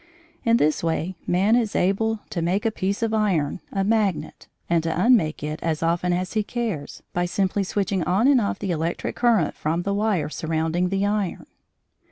In this way man is able to make a piece of iron a magnet and to unmake it as often as he cares by simply switching on and off the electric current from the wire surrounding the iron.